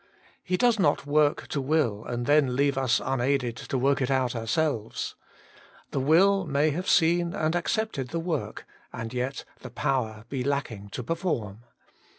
He does not work to will, and then leave us unaided to work it out ourselves. The will may have seen and accepted the work, and yet the power be lacking to per form.